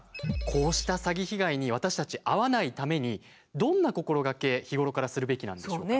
こうした詐欺被害に私たち遭わないためにどんな心がけ日頃からするべきなんでしょうか？